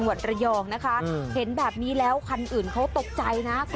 วิทยาลัยศาสตร์อัศวิทยาลัยศาสตร์